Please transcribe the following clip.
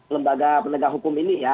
lembaga penegak hukum ini ya